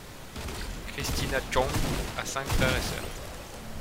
Christina Chong a cinq frères et sœurs.